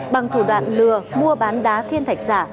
bằng thủ đoạn lừa mua bán đá thiên thạch giả